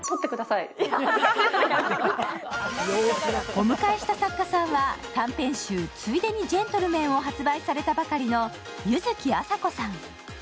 お迎えした作家さんは、短編集「ついでにジェントルメン」を発売されたばかりの柚木麻子さん。